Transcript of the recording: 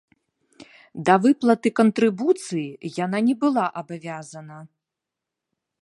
Да выплаты кантрыбуцыі яна не была абавязана.